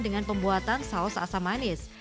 dengan pembuatan saus asam manis